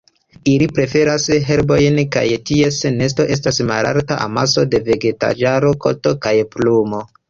Ili preferas herbojn, kaj ties nesto estas malalta amaso de vegetaĵaro, koto kaj plumoj.